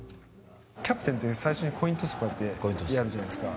キャプテンは最初にコイントスやるじゃないですか。